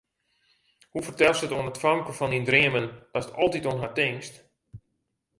Hoe fertelst it oan it famke fan dyn dreamen, datst altyd oan har tinkst?